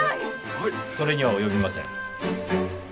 それにはおよびません。